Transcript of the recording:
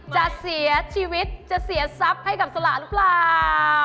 จะเสียชีวิตจะเสียทรัพย์ให้กับสละหรือเปล่า